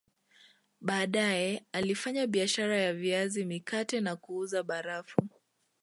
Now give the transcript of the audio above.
Baadae alifanya biashara ya viazi mikate na kuuza barafu